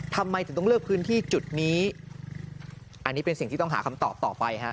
ทำไมถึงต้องเลือกพื้นที่จุดนี้อันนี้เป็นสิ่งที่ต้องหาคำตอบต่อไปฮะ